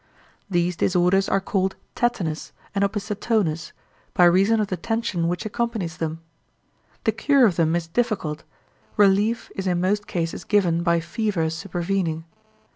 These disorders are called tetanus and opisthotonus, by reason of the tension which accompanies them. The cure of them is difficult; relief is in most cases given by fever supervening.